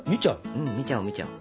うん見ちゃう見ちゃう。